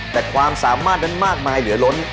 แต่ความสามารถนั้นมากมายเหลือล้น